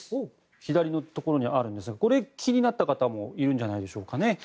左のところにあるんですがこれ、気になった方もいるんじゃないでしょうかね。